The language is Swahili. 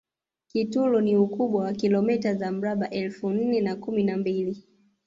kitulo ina ukubwa wa kilomita za mraba elfu nne na kumi na mbili